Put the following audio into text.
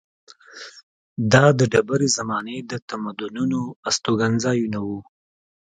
دا د ډبرې زمانې د تمدنونو استوګنځایونه وو.